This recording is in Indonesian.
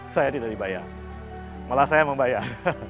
saya tidak dibayar malah saya membayar